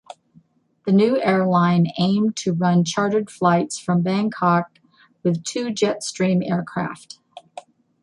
The new airline aimed to run chartered flights from Bangkok with two Jetstream aircraft.